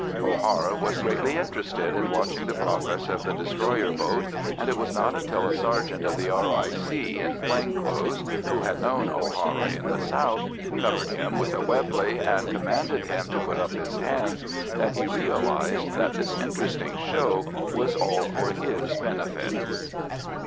O'Hara was greatly interested in watching the progress of the destroyer boat, and it was not until a sergeant of the R.I.C. in plain clothes, who had known O'Hara in the south, covered him with a Webley and commanded him to put up his hands, that he realised that this interesting show was all for his benefit.